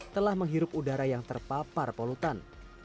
telah menghirup udara yang terpapar polutan